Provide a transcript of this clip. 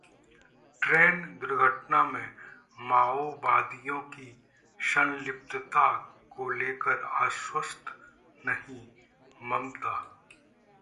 train दुर्घटना में माओवादियों की संलिप्तता को लेकर आश्वस्त नहीं: ममता